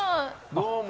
どうも。